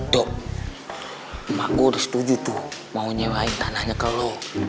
dok emakku udah setuju tuh mau nyewain tanahnya ke lo